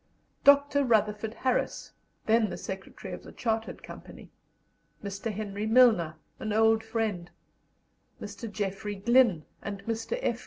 Dr. Rutherford Harris, then the Secretary of the Chartered Company; Mr. Henry Milner, an old friend; Mr. Geoffrey Glyn and Mr. F.